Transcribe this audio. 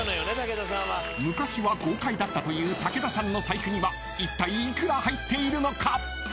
［昔は豪快だったという武田さんの財布にはいったい幾ら入っているのか？］